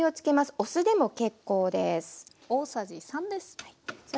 お酢でも結構です。